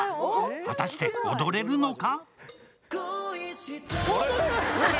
果たして踊れるのか？